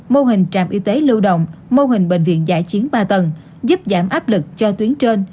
mô hình trạm y tế lưu động mô hình bệnh viện giải chiến ba tầng giúp giảm áp lực cho tuyến trên